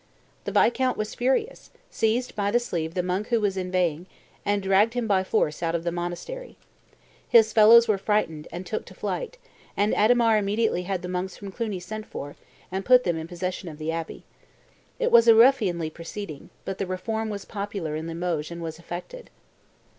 The viscount was furious, seized by the sleeve the monk who was inveighing, and dragged him by force out of the monastery. His fellows were frightened, and took to flight; and Adhemar immediately had the monks from Cluni sent for, and put them in possession of the abbey. It was a ruffianly proceeding; but the reform was popular in Limoges and was effected.